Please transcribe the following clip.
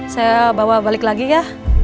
saya bawa balik lagi ya